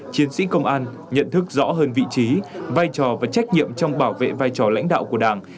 chiến sĩ công an nhận thức rõ hơn vị trí vai trò và trách nhiệm trong bảo vệ vai trò lãnh đạo của đảng